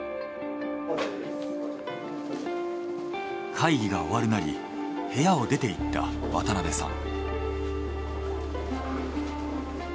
会議が終わるなり部屋を出ていった渡辺さん。